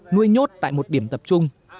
nuôi nhốt tại một điểm tập trung